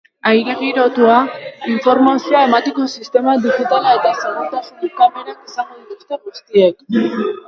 Aire girotua, informazioa emateko sistema digitala eta segurtasun kamerak izango dituzte guztiek.